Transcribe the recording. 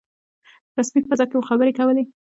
رسمي فضا کې مو خبرې کولې.